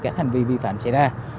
các hành vi vi phạm xảy ra